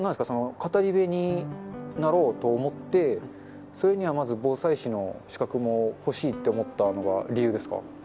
その語り部になろうと思って、それにはまず防災士の資格も欲しいって思ったのが理由ですか？